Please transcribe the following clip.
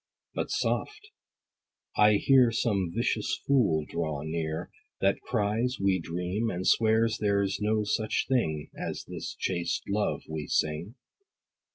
But soft : I hear Some vicious fool draw near, That cries, we dream, and swears there's no such thing, As this chaste love we sing.